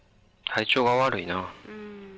体調が悪いな。